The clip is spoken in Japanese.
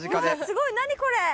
すごい何これ！